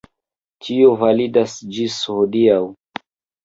Tio validas ĝis hodiaŭ.